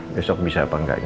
besok bisa apa enggaknya